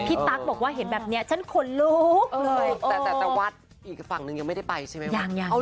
พี่ตั๊กบอกว่าเห็นแบบนี้ฉันขนรูปเลย